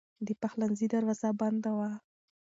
د پخلنځي دروازه بنده وه.